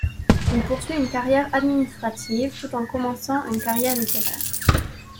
Il poursuit une carrière administrative, tout en commençant une carrière littéraire.